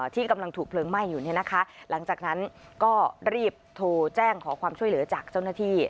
ที่กำลังถูกเพลิงไหม้อยู่เนี่ยนะคะหลังจากนั้นก็รีบโทรแจ้งขอความช่วยเหลือจากเจ้าหน้าที่